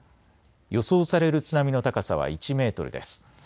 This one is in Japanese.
予想される津波の高さは１メートルです。